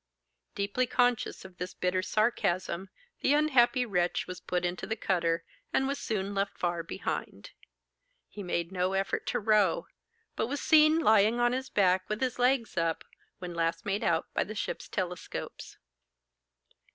Deeply conscious of this bitter sarcasm, the unhappy wretch was put into the cutter, and was soon left far behind. He made no effort to row, but was seen lying on his back with his legs up, when last made out by the ship's telescopes.